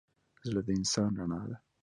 زړه د انسان رڼا ده.